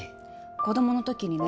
子供のときにね